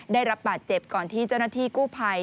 ได้รับบาดเจ็บก่อนที่เจ้าหน้าที่กู้ภัย